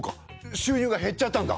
収入が減っちゃったんだ！